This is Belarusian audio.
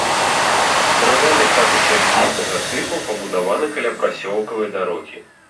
Драўляныя хаты сядзібнага тыпу пабудаваны каля прасёлкавай дарогі.